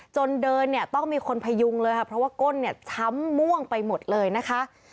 จนเดินเนี่ยต้องมีคนพยุงเลยค่ะเพราะว่าก้นเนี่ยช้ำม่วงไปหมดเลยนะคะ